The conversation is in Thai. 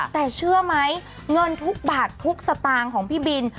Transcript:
แต่เชื่อไหมเงินทุกบาททุกสตางค์ของพี่บิน